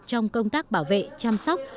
trong công tác bảo vệ chăm sóc